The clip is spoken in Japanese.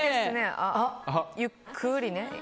ゆっくりね。